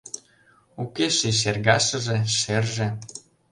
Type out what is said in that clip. Уке ший шергашыже, шерже